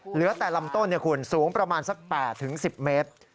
เหลือแต่ลำต้นสูงประมาณสัก๘๑๐เมตร